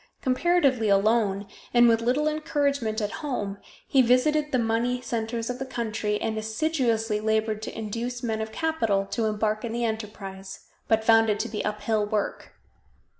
Comparatively alone, and with little encouragement at home, he visited the money centers of the country, and assiduously labored to induce men of capital to embark in the enterprise, but found it to be uphill work.